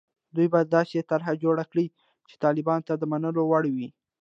دوی به داسې طرح جوړه کړي چې طالبانو ته د منلو وړ وي.